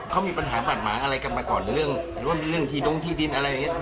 เค้ามีปัญหาปรัดหมาอะไรกันมาก่อนในเรื่องที่ดุ้งที่ดินอะไรเนี่ย